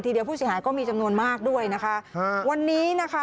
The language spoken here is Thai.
เดียวผู้เสียหายก็มีจำนวนมากด้วยนะคะวันนี้นะคะ